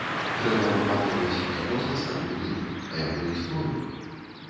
Трэба прапаноўваць не проста стары будынак, а яго гісторыю.